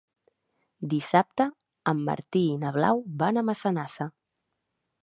Dissabte en Martí i na Blau van a Massanassa.